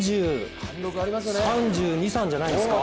３２３３じゃないですか？